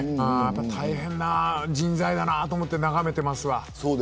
大変な人材だなと思って眺めていますわ。